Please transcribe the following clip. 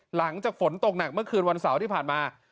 หลังจากฝนตกหนักเมื่อคืนวันเสาร์ที่ผ่านมา